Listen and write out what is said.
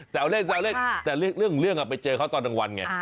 แต่เอาเลขแต่เรื่องไปเจอเขาตอนกลางวันไง